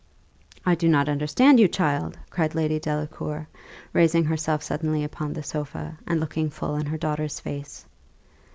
"I do not understand you, child," cried Lady Delacour, raising herself suddenly upon the sofa, and looking full in her daughter's face.